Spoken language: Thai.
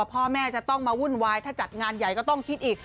พ่อแม่จะต้องมาวุ่นวายถ้าจัดงานใหญ่ก็ต้องคิดอีก